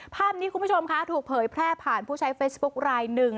ภาพนี้คุณผู้ชมค่ะถูกเผยแพร่ผ่านผู้ใช้เฟซบุ๊คลายหนึ่ง